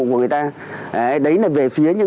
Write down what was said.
của người ta đấy là về phía những